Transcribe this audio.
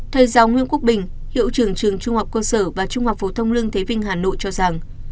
thầy giáo nguyễn quốc bình hiệu trưởng trường trung học cơ sở và trung học phổ thông lương thế vinh hà nội cho rằng